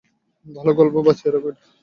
ভালো গল্প, বাঁচিয়ে রাখো এটা।